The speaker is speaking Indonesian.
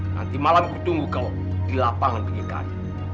nanti malam ku tunggu kau di lapangan penyihirkan